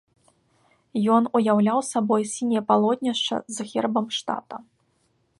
Ён уяўляў сабой сіняе палотнішча з гербам штата.